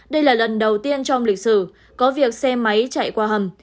đây là lần đầu tiên trong lịch sử có việc xe máy chạy qua hầm